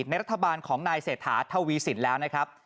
ในรัฐบาลของนายเศรษฐาทวีสินแล้วนะครับ